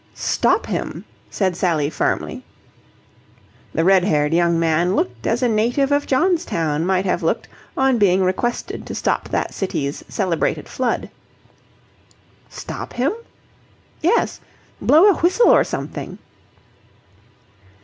"Stop him!" said Sally firmly. The red haired young man looked as a native of Johnstown might have looked on being requested to stop that city's celebrated flood. "Stop him?" "Yes. Blow a whistle or something."